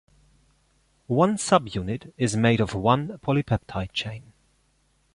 One subunit is made of one polypeptide chain.